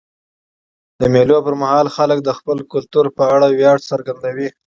د مېلو پر مهال خلک د خپل کلتور په اړه ویاړ څرګندوي.